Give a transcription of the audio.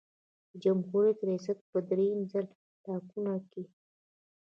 د جمهوري ریاست په دریم ځل ټاکنو کې.